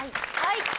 はい。